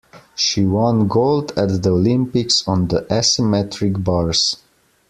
She won gold at the Olympics on the asymmetric bars